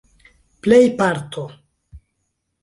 plejparto